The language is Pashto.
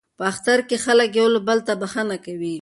په اختر کې خلک یو بل ته بخښنه کوي.